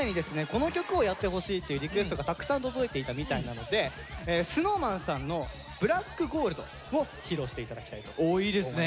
この曲をやってほしいっていうリクエストがたくさん届いていたみたいなのでＳｎｏｗＭａｎさんの「ＢｌａｃｋＧｏｌｄ」を披露して頂きたいと思います。